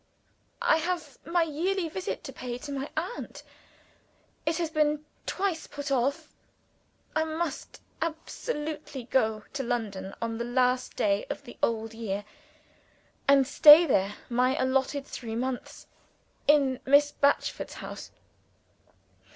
"I have my yearly visit to pay to my aunt. It has been twice put off. I must absolutely go to London on the last day of the old year, and stay there my allotted three months in Miss Batchford's house.